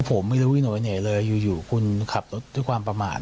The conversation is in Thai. ผมไม่รู้วิ่งออกไปไหนเลยอยู่คุณขับรถด้วยความประมาท